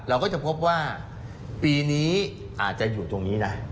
เราก็จะพบว่าปีนี้อาจจะอยู่ตรงนี้นะ